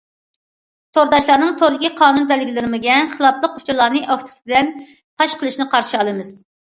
تورداشلارنىڭ توردىكى قانۇن- بەلگىلىمىلەرگە خىلاپ ئۇچۇرلارنى ئاكتىپلىق بىلەن پاش قىلىشىنى قارشى ئالىمىز.